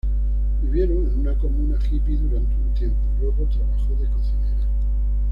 Vivieron en una comuna hippie durante un tiempo y luego trabajó de cocinera.